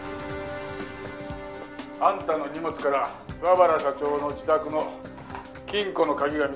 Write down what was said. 「あんたの荷物から桑原社長の自宅の金庫の鍵が見つかった」